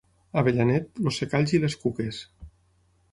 A Avellanet, els secalls i els cuques.